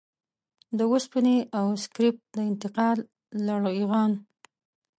د وسپنې او سکريپ د انتقال لغړيان.